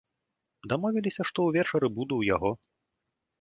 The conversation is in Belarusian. Дамовіліся, што ўвечары буду ў яго.